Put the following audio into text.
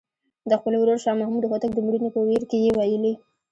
د خپل ورور شاه محمود هوتک د مړینې په ویر کې یې ویلي.